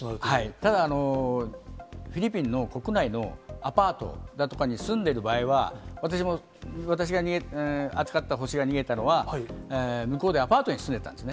ただ、フィリピンの国内のアパートだとかに住んでいる場合は、私が扱ったホシが逃げたのは、向こうでアパートに住んでたんですね。